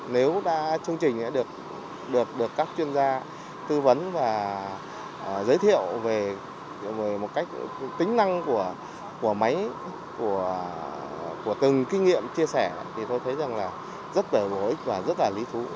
nếu chương trình được các chuyên gia tư vấn và giới thiệu về tính năng của máy từng kinh nghiệm chia sẻ tôi thấy rất bổ ích và rất lý thú